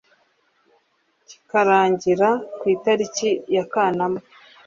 kikarangira ku itariki ya kanama